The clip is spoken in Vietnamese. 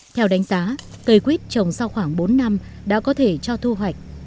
theo đánh giá cây quýt trồng sau khoảng bốn năm đã có thể cho thu hoạch